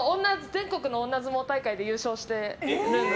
全国の女相撲大会で優勝していまして。